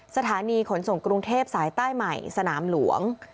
สถานีขนส่งกรุงเทพสายใต้ใหม่สนามหลวง